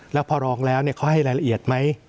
แล้วพอรองแล้วเขาให้รายละเอียดไหม